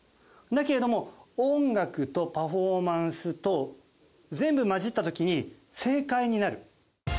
だけれども音楽とパフォーマンスと全部混じった時に正解になる。